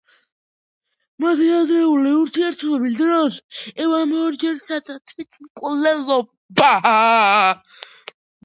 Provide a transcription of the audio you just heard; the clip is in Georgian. მათი ადრეული ურთიერთობის დროს ევამ ორჯერ სცადა თვითმკვლელობა.